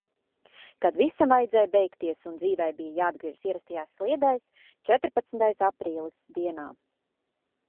Kad visam vajadzēja beigties un dzīvei bija jāatgriežas ierastajās sliedēs – četrpadsmitais aprīlis. Dienā.